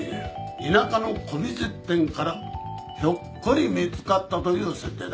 田舎の古美術店からひょっこり見つかったという設定だ。